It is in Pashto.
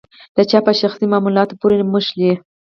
د چا په شخصي معاملاتو پورې نښلي.